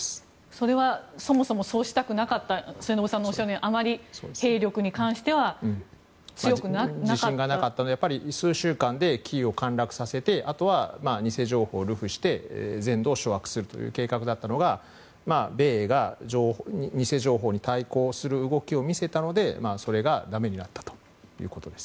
それはそもそもそうしたくなかった末延さんがおっしゃるようにあまり兵力に関しては自信がなかったのでやっぱり数週間でキーウを陥落させてあとは偽情報を流布して全土を掌握するという計画だったのが米英が偽情報に対抗する動きを見せたのでそれが駄目になったということです。